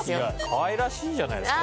かわいらしいじゃないですか。